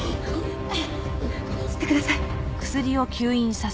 吸ってください。